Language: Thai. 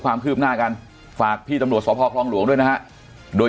ความคืบหน้ากันฝากพี่ตำรวจสพคลองหลวงด้วยนะฮะโดย